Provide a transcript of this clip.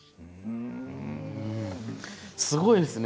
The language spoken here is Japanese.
すごいですね。